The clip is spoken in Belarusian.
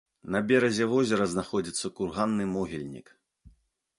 На беразе возера знаходзіцца курганны могільнік.